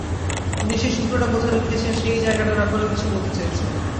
উনি সেই সূত্রটা কোথায় লুকিয়েছেন সেই জায়গাটার ব্যাপারেও কিছু বলতে চেয়েছেন।